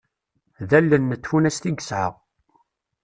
D allen n tfunast i yesɛa.